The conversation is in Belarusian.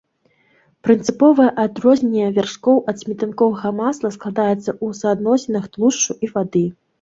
Прынцыповае адрозненне вяршкоў ад сметанковага масла складаецца ў суадносінах тлушчу і вады.